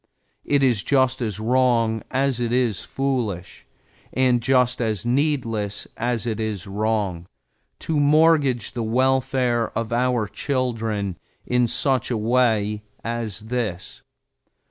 It is just as wrong as it is foolish, and just as needless as it is wrong, to mortgage the welfare of our children in such a way as this.